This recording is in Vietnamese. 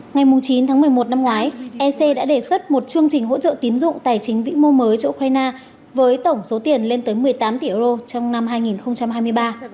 ngày chín tháng một mươi một năm ngoái ec đã đề xuất một chương trình hỗ trợ tín dụng tài chính vĩ mô mới cho ukraine với tổng số tiền lên tới một mươi tám tỷ euro trong năm hai nghìn hai mươi ba